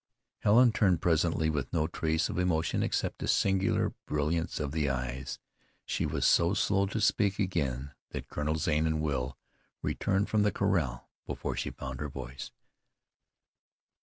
Helen turned presently, with no trace of emotion except a singular brilliance of the eyes. She was so slow to speak again that Colonel Zane and Will returned from the corral before she found her voice.